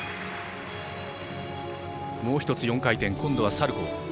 もう１つ、４回転今度はサルコー。